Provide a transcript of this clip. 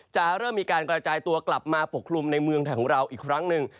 จะเริ่มมีการกระจายตัวกลับมาปกคลุมในเมืองไทยของเราอีกครั้งหนึ่ง